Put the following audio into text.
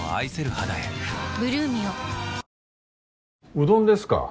うどんですか？